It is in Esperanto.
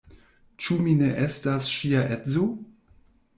Ĉu mi ne estas ŝia edzo?